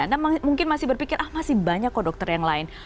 anda mungkin masih berpikir ah masih banyak kok dokter yang lain